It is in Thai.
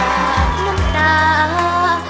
อาจเลือดน้ำตา